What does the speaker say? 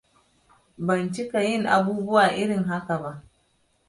Ban cika yin abubuwa irin haka ba.